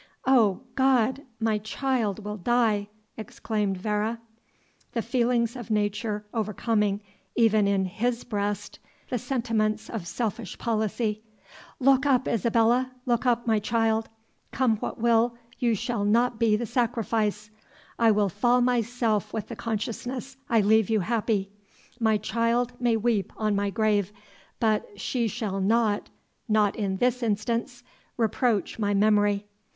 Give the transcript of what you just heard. "My God, my child will die!" exclaimed Vere, the feelings of nature overcoming, even in HIS breast, the sentiments of selfish policy; "look up, Isabella look up, my child come what will, you shall not be the sacrifice I will fall myself with the consciousness I leave you happy My child may weep on my grave, but she shall not not in this instance reproach my memory."